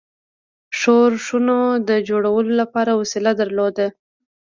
ښورښونو د جوړولو لپاره وسیله درلوده.